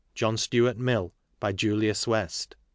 John Stuart Mill. By Julius West.